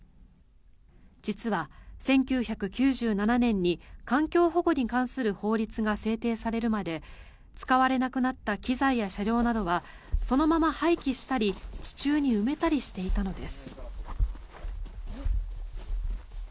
実は、１９９７年に環境保護に関する法律が制定されるまで使われなくなった機材や車両などはそのまま廃棄したり地中に埋めたりしていたのです。